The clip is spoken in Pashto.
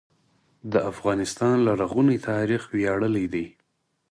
د افغانستان لرغونی تاریخ ویاړلی دی